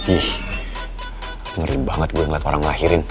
ih ngeri banget gue ngeliat orang ngelahirin